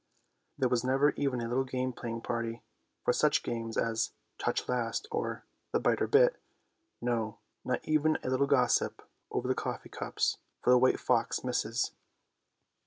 There was never even a little game playing party, for such games as " touch last " or " the biter bit "— no, not even a little gossip over the coffee cups for the white fox misses.